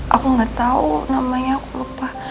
aku gak tau namanya aku lupa